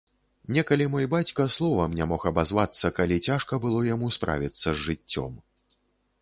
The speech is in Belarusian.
Некалі мой бацька словам не мог абазвацца, калі цяжка было яму справіцца з жыццём.